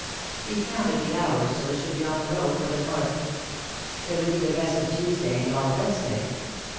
He counted the hours till they should be on the road for the North. There would be the rest of Tuesday and all Wed nesday.